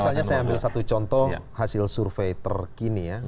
misalnya saya ambil satu contoh hasil survei terkini ya